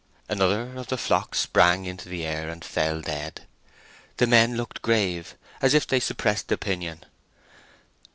Another of the flock sprang into the air, and fell dead. The men looked grave, as if they suppressed opinion.